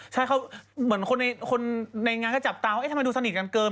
ใช่เขาเหมือนคนในงานก็จับตาว่าทำไมดูสนิทกันเกิน